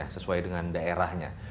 sesuai dengan daerahnya